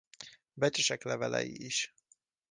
Becsesek levelei is.